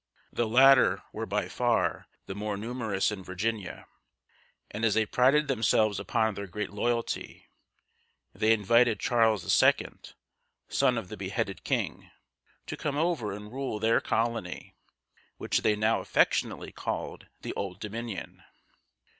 The latter were by far the more numerous in Virginia, and as they prided themselves upon their great loyalty, they invited Charles II., son of the beheaded king, to come over and rule their colony, which they now affectionately called "the Old Dominion."